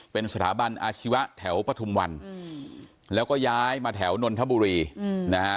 เป็นสถาบันอาชีวะแถวปฐุมวันแล้วก็ย้ายมาแถวนนทบุรีนะฮะ